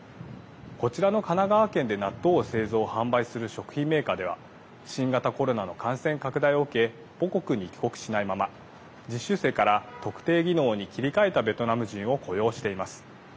こちらの神奈川県で納豆を製造・販売する食品メーカーでは新型コロナの感染拡大を受け母国に帰国しないまま実習生から特定技能に切り替えたベトナム人を雇用しています。